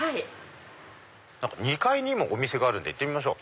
２階にもお店があるんで行ってみましょう。